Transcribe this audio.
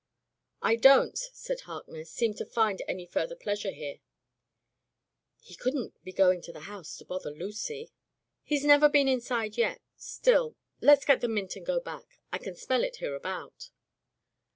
"I don't," said Harkness, "seem to find any further pleasure here." "He couldn't be going to the house to bother Lucy?" "He's never been inside yet. Still — let's get the mint and go back. I can smell it hereabout."